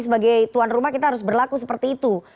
sebagai tuan rumah kita harus berlaku seperti itu